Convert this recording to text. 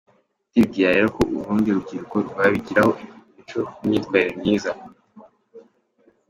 Ndibwira rero ko urundi rubyiruko rwabigiraho imico n’imyitwarire myiza.